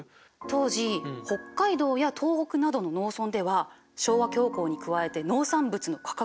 当時北海道や東北などの農村では昭和恐慌に加えて農産物の価格が暴落したの。